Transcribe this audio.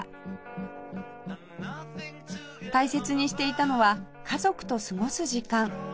大切にしていたのは家族と過ごす時間